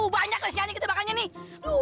banyak lah sialnya kita bakalnya nih